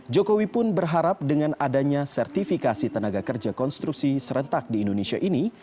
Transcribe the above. jokowi pun berharap dengan adanya sertifikasi tenaga kerja konstruksi serentak di indonesia ini